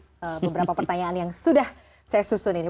ada beberapa pertanyaan yang sudah saya susun ini